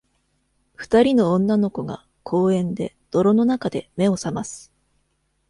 二人の女の子が公園で泥の中で目を覚ます。